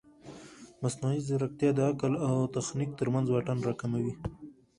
مصنوعي ځیرکتیا د عقل او تخنیک ترمنځ واټن راکموي.